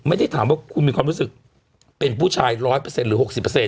ไม่ได้ถามว่าคุณมีความรู้สึกเป็นผู้ชาย๑๐๐หรือ๖๐